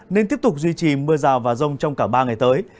nên tiếp tục duy trì mưa rào và rông trong cả ba ngày tới